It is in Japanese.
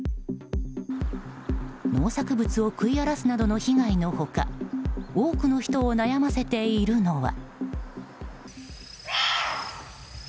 農作物を食い荒らすなどの被害の他多くの人を悩ませているのは。